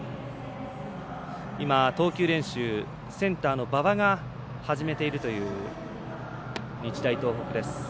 投球練習、センターの馬場が始めているという日大東北です。